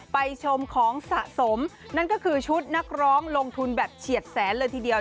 ชมของสะสมนั่นก็คือชุดนักร้องลงทุนแบบเฉียดแสนเลยทีเดียว